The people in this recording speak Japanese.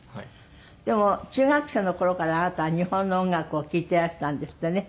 でも中学生の頃からあなたは日本の音楽を聴いてらしたんですってね。